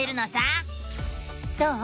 どう？